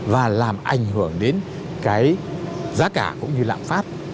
và làm ảnh hưởng đến cái giá cả cũng như lạm phát